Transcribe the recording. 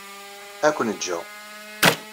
Ad ken-jjeɣ.